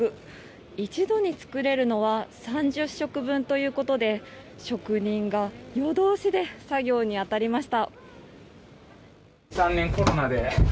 一度に作れるのは３０食分ということで職人が夜通しで作業に当たりました。